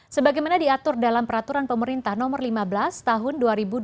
sebagaimana diatur dalam peraturan pemerintah nomor lima belas tahun dua ribu dua puluh